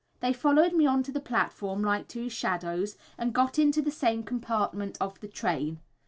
They followed me on to the platform like two shadows, and got into the same compartment of the train.